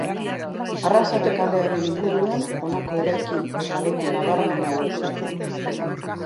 Arrasate kalearen inguruan honako eraikin eta leku nabarmen hauek daude.